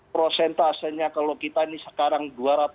prosentasenya kalau kita ini sekarang